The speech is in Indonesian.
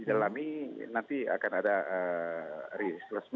didalami nanti akan ada risiko lagi ya pak